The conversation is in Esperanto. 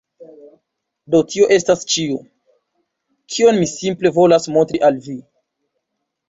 Do tio estas ĉio, kion mi simple volas montri al vi.